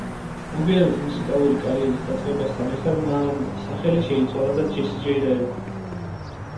მოგვიანებით მუსიკალური კარიერის დაწყებასთან ერთად მან სახელი შეიცვალა და ჯესი ჯეი დაირქვა.